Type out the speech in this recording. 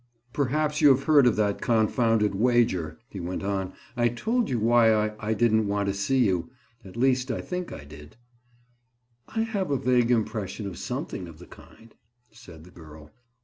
"Perhaps you have heard of that confounded wager," he went on. "I told you why I—I didn't want to see you. At least, I think I did." "I have a vague impression of something of the kind," said the girl.